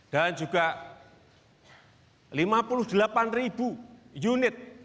dan juga lima puluh delapan unit irigasi yang telah kita produksi